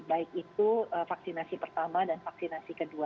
baik itu vaksinasi pertama dan vaksinasi kedua